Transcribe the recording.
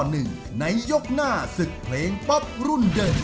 ในยกหน้าศึกเพลงป๊อปรุ่นเด็ก